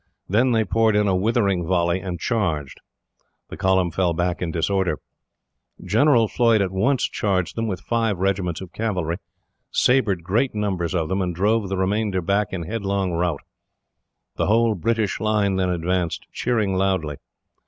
Then they poured in a withering volley, and charged. The column fell back in disorder. General Floyd at once charged them, with five regiments of cavalry, sabred great numbers of them, and drove the remainder back in headlong rout. The whole British line then advanced, cheering loudly.